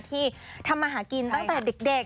ที่ทำมาหากินตั้งแต่เด็ก